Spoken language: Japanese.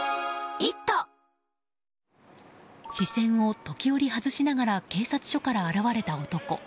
視線を時折外しながら警察署から現れた男。